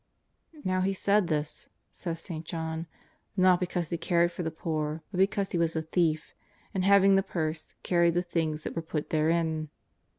" Now he said this,'' says St. John, " not because he cared for the poor, but because he was a thief, and, having the purse, carried the things that were put therein."